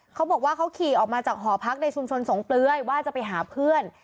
เขาบอกว่าเขาขี่ออกมาจากหอพักในชุมชนสงเปลือยว่าจะไปหาเพื่อน